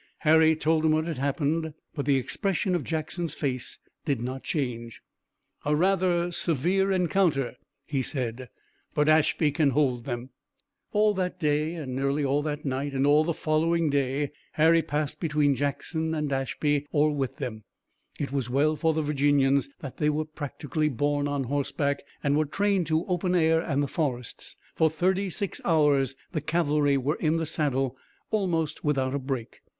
Harry told him what had happened, but the expression of Jackson's face did not change. "A rather severe encounter," he said, "but Ashby can hold them." All that day, nearly all that night and all the following day Harry passed between Jackson and Ashby or with them. It was well for the Virginians that they were practically born on horseback and were trained to open air and the forests. For thirty six hours the cavalry were in the saddle almost without a break.